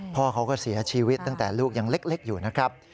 พ่อเขาก็เสียชีวิตตั้งแต่ลูกยังเล็กอยู่นะครับ